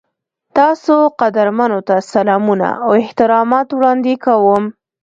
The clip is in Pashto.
تاسو قدرمنو ته سلامونه او احترامات وړاندې کوم.